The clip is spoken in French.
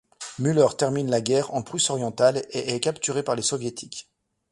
Müller termine la guerre en Prusse-Orientale et est capturé par les Soviétiques.